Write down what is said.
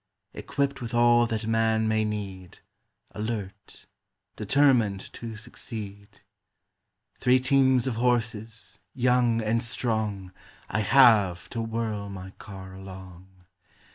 Equipped with all that man may need, Alert, determined to succeed. Three teams of horses, young and strong, I have, to whirl my car along.